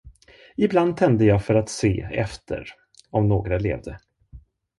Ibland tände jag för att se efter om några levde.